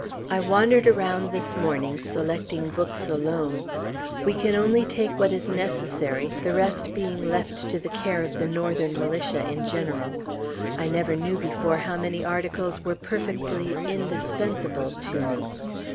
I wandered around this morning selecting books alone. We can only take what is necessary, the rest being left to the care of the Northern militia in general. I never knew before how many articles were perfectly "indispensable" to me.